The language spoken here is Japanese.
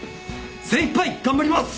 精いっぱい頑張ります！